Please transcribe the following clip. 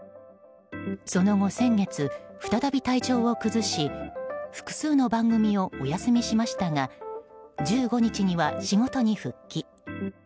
その後、先月、再び体調を崩し複数の番組をお休みしましたが１５日には仕事に復帰。